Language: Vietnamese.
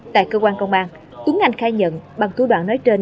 tại cơ quan công an túng ngành khai nhận bằng thủ đoạn nói trên